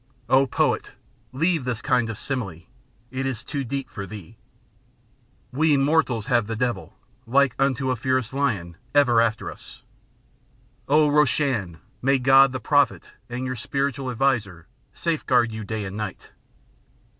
Oh! poet, leave this kind of simile, it is too deep for thee; We mortals have the Devil, like unto a fierce lion, ever after us; Oh! Roshan, may God, the Prophet, and your spiritual adviser, safeguard you day and night!